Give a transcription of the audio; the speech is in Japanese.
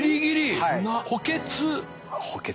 補欠。